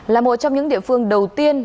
là một trong những địa phương đầu tiên